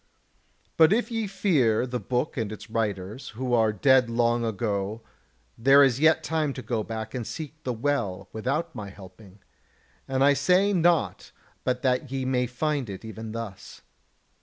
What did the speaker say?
But if ye fear the book and its writers, who are dead long ago, there is yet time to go back and seek the Well without my helping; and I say not but that ye may find it even thus.